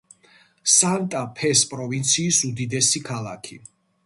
სანტა-ფეს პროვინციის უდიდესი ქალაქი.